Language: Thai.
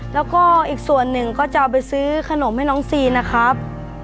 แล้วก็อีกส่วนหนึ่งก็จะเอาไปซื้อขนมให้น้องซีนะครับ